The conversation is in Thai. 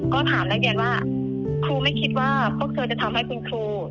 ก็ถามนักเรียนว่าครูไม่คิดว่าพวกเธอจะทำให้คุณครู